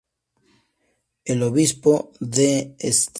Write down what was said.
El obispo de St.